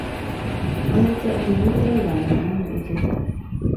Amache anemu keldani amo ochei